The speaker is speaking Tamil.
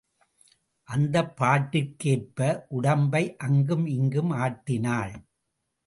அந்த பாட்டிற்கு ஏற்ப உடம்பை அங்கு மிங்கும் ஆட்டினாள்.